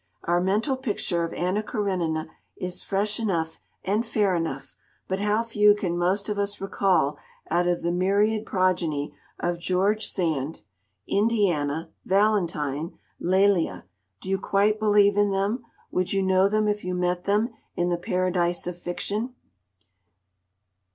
Our mental picture of Anna Karénine is fresh enough and fair enough, but how few can most of us recall out of the myriad progeny of George Sand! Indiana, Valentine, Lélia, do you quite believe in them, would you know them if you met them in the Paradise of Fiction?